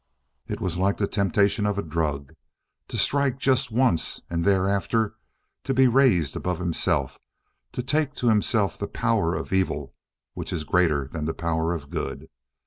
It was like the temptation of a drug to strike just once, and thereafter to be raised above himself, take to himself the power of evil which is greater than the power of good.